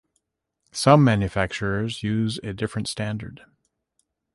Some manufacturers use a different standard.